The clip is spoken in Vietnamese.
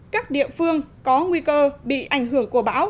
các địa phương có nguy cơ bị ảnh hưởng của bão